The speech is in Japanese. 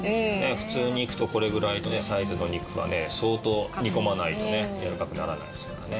普通にいくとこれぐらいのサイズの肉はね相当煮込まないとねやわらかくならないですからね。